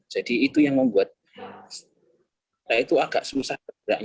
jadi itu yang membuat itu agak susah